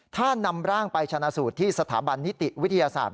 ถ้านำร่างไปชนะสูตรที่สถาบันนิติวิทยาศาสตร์